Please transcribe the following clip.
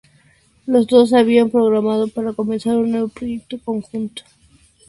Los dos habían programado para comenzar un nuevo proyecto conjunto.